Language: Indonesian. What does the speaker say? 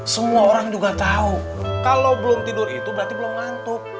semua orang juga tahu kalau belum tidur itu berarti belum ngantuk